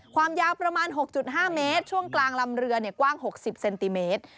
ความยาวประมาณ๖๕เมตรช่วงกลางลำเรือกว้าง๖๐เซนติเมตร